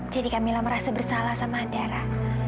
jadi kamilah merasa bersalah sama anda